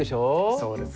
そうです。